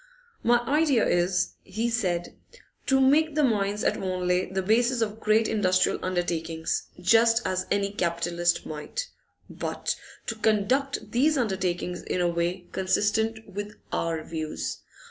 'My idea is,' he said, 'to make the mines at Wanley the basis of great industrial undertakings, just as any capitalist might, but to conduct these undertakings in a way consistent with our views.